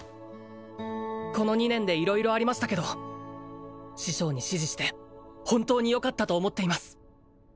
この２年で色々ありましたけど師匠に師事して本当によかったと思っています